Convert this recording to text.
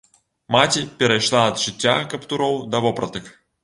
Маці перайшла ад шыцця каптуроў да вопратак.